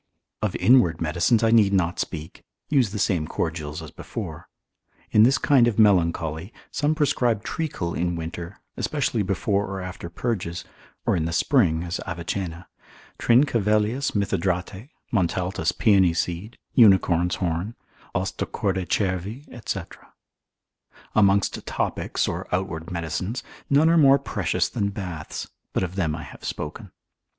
Of inward medicines I need not speak; use the same cordials as before. In this kind of melancholy, some prescribe treacle in winter, especially before or after purges, or in the spring, as Avicenna, Trincavellius mithridate, Montaltus paeony seed, unicorn's horn; os de corde cervi, &c. Amongst topics or outward medicines, none are more precious than baths, but of them I have spoken.